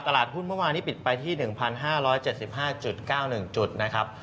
ตลาดหุ้นเมื่อวานนี้ปิดไปที่๑๕๗๕๙๑จุดนะครับ